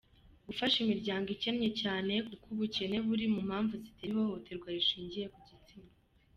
Gufasha imiryango ikenye cyane kuko ubukene buri mu mpamvu zitera ihohoterwa rishingiye ku gitsina.